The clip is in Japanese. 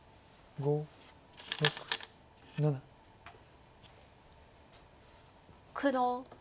５６７８。